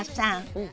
うん。